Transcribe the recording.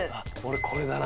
これだな。